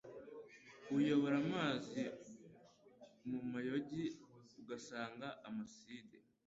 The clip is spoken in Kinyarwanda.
uyobora amazi mu mayogi ugasanza amasinde